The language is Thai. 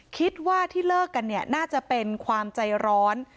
คิดว่าที่เลิกกันเนี่ยน่าจะเป็นความใจร้อน